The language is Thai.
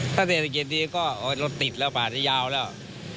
ถ้าเศรษฐกิจดีก็โอ้ยรถติดแล้วผ่านที่ยาวแล้ว